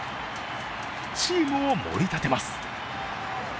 チームをもり立てます。